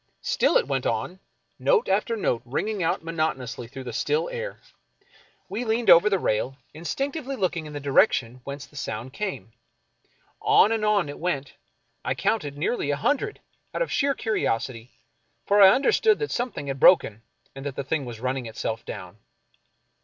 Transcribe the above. Still it went on, note after note ringing out monotonously through the still air. We leaned over the rail, instinctively 43 American Mystery Stories looking in the direction whence the sound came. On and on it went. I counted nearly a hundred, out of sheer curiosity, for I understood that something had broken and that the thing was running itself down.